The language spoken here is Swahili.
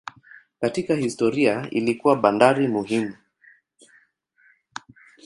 Katika historia ilikuwa bandari muhimu.